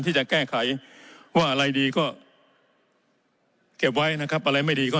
ที่จะแก้ไขว่าอะไรดีก็เก็บไว้นะครับอะไรไม่ดีก็